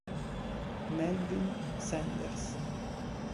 Melvin Sanders